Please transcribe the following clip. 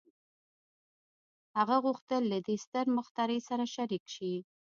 هغه غوښتل له دې ستر مخترع سره شريک شي.